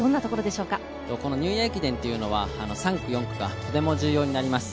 ニューイヤー駅伝というのは３区、４区がとても重要になります。